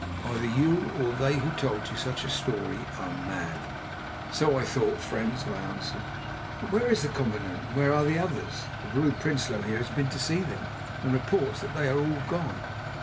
Either you or they who told you such a story are mad." "So I thought, friends," I answered. "But where is the commandant and where are the others? The Vrouw Prinsloo here has been to see them, and reports that they are all gone."